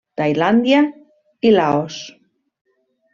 Tailàndia i Laos.